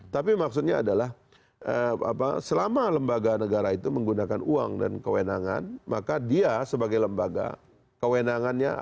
tapi maksudnya adalah selama lembaga negara itu menggunakan uang dan kewenangan maka dia sebagai lembaga kewenangannya apakah sudah sesuai dengan kewenangan